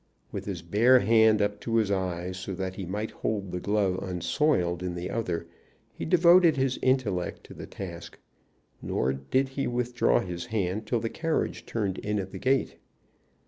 With his bare hand up to his eyes so that he might hold the glove unsoiled in the other, he devoted his intellect to the task; nor did he withdraw his hand till the carriage turned in at the gate.